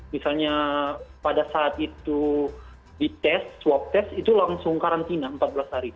misalnya pada saat itu dites swab test itu langsung karantina empat belas hari